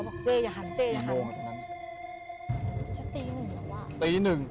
บอกเจ๊อย่าหันเจ๊อย่าหัน